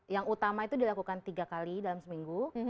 yang utama itu dilakukan tiga kali dalam seminggu